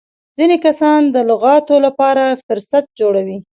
ځيني کسان د لغاتو له پاره فهرست جوړوي.